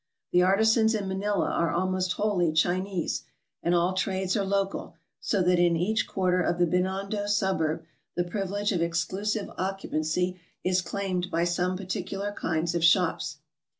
The artisans in Manila are almost wholly Chinese; and all trades are local, so that in each quarter of the Binondo suburb the privilege of exclusive oc cupancy is claimed by some particular kinds of shops.